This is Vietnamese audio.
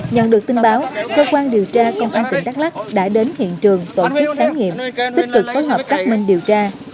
nhận được tin báo cơ quan điều tra công an tỉnh đắk lắc đã đến hiện trường tổ chức khám nghiệm tích cực phối hợp xác minh điều tra